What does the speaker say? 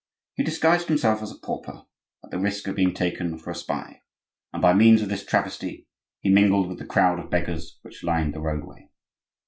He disguised himself as a pauper, at the risk of being taken for a spy, and by means of this travesty, he mingled with the crowd of beggars which lined the roadway.